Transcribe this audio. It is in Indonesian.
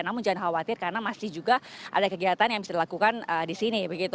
namun jangan khawatir karena masih juga ada kegiatan yang bisa dilakukan di sini